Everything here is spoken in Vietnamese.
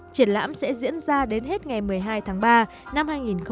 triển lãm sẽ diễn ra đến hết ngày một mươi hai tháng ba năm hai nghìn một mươi bảy